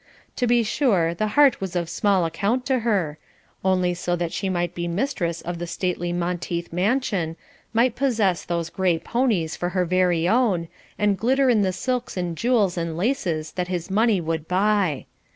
To be sure, the heart was of small account to her, only so that she might be mistress of the stately Monteith mansion, might possess those gray ponies for her very own, and glitter in the silks and jewels and laces that his money would buy.